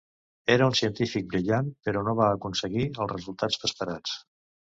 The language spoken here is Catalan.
Era un científic brillant, però no va aconseguir els resultats esperats.